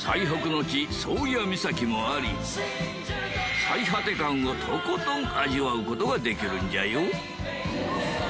宗谷岬もあり最果て感をとことん味わう事ができるんじゃよ。